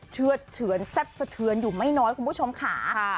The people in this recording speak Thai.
เฉือเฉยแซ่บเสียอยู่ไม่น้อยว่านายคุณผู้ชมขาค่ะ